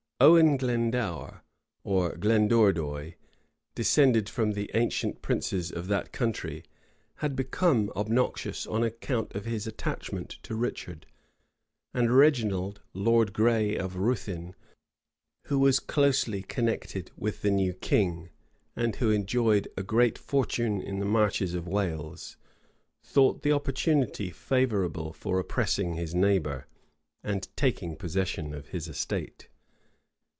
Owen Glendour, or Glendourduy, descended from the ancient princes of that country, had become obnoxious on account of his attachment to Richard: and Reginald, Lord Gray of Ruthyn, who was closely connected with the new king, and who enjoyed a great fortune in the marches of Wales, thought the opportunity favorable for oppressing his neighbor, and taking possession of his estate.